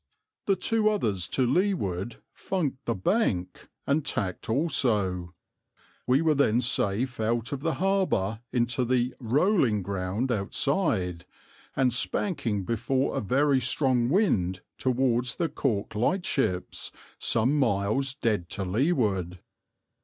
The two others to leeward funked the bank, and tacked also; we were then safe out of the harbour into the 'rolling ground' outside, and spanking before a very strong wind towards the Cork lightships some miles dead to leeward.